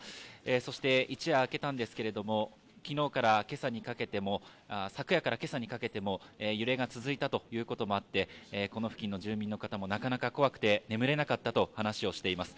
そして、一夜明けたんですけれども、きのうからけさにかけても、昨夜からけさにかけても揺れが続いたということもあって、この付近の住民の方も、なかなか怖くて眠れなかったと話をしています。